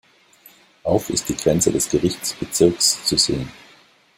Auf ist die Grenze des Gerichtsbezirks zu sehen.